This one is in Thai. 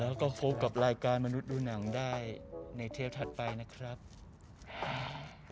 แล้วก็พบกับรายการมนุษย์ดูหนังได้ในเทปถัดไปนะครับ